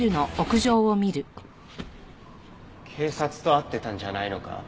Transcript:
警察と会ってたんじゃないのか？